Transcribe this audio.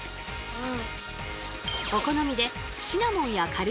うん。